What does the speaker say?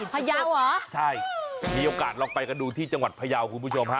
พยาวเหรอใช่มีโอกาสลองไปกันดูที่จังหวัดพยาวคุณผู้ชมฮะ